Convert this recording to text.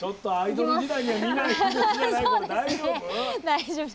大丈夫？